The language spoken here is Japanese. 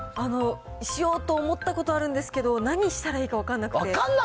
しようと思ったことあるんですけど、何したらいいか分かんなくて。